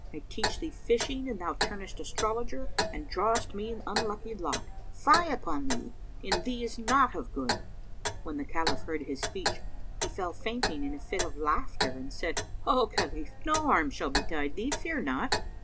I teach thee fishing and thou turnest astrologer and drawest me an unlucky lot. Fie upon thee,[FN#285] in thee is naught of good!" When the Caliph heard his speech, he fell fainting in a fit of laughter and said, "O Khalif, no harm shall betide thee: fear not.